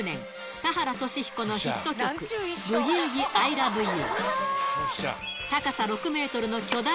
田原俊彦のヒット曲、ブギ浮ギアイラブユー。